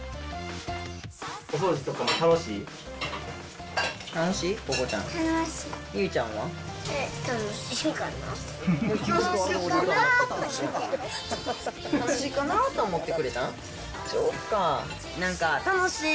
お掃除とか楽しい？